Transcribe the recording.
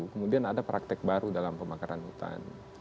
kemudian ada praktek baru dalam pemakaran hutan